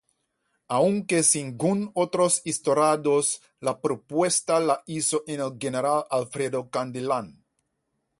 Aunque según otros historiadores la propuesta la hizo el general Alfredo Kindelán.